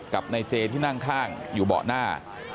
กับนายเจที่นั่งข้างอยู่เบาะหน้า